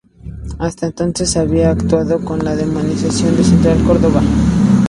Hasta entonces había actuado con la denominación de Central Córdoba.